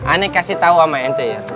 ane kasih tau sama ente ya